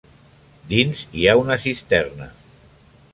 Dins hi ha una cisterna.